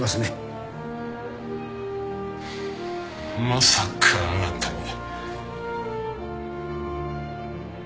まさかあなたに。